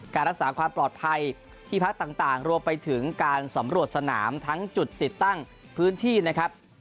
การรักษาความปลอดภัยที่พักต่างรวมไปถึงการสำรวจสนามทั้งจุดติดตั้งพื้นที่นะครับ